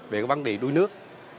về vấn đề đuối nước